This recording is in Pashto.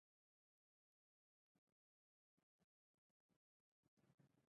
اداره د خلکو د ستونزو اورېدلو ته چمتو ده.